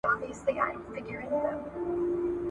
پداسي حال کي چي موږ غټ جماعت يو.